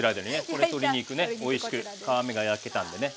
これ鶏肉ねおいしく皮目が焼けたんでね。